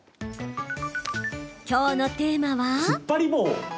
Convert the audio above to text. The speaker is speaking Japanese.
きょうのテーマは。